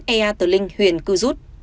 ea tờ linh huyện cư rút